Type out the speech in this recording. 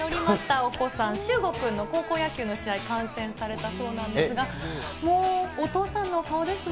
お子さん、しゅうご君の高校野球の試合、観戦されたそうなんですが、もうお父さんの顔ですね。